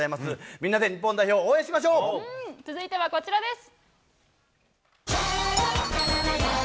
みんなで日本代表を応援しましょ続いてはこちらです。